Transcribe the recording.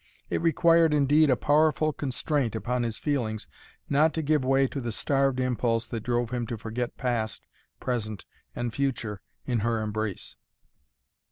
It required indeed a powerful constraint upon his feelings not to give way to the starved impulse that drove him to forget past, present and future in her embrace.